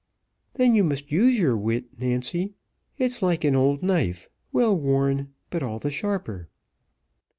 "Then you must use your wit, Nancy." "It's like an old knife, well worn, but all the sharper."